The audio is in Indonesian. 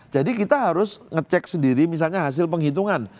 jadi kita harus ngecek sendiri misalnya hasil penghitungan